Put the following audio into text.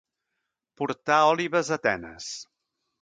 Portar òlibes a Atenes.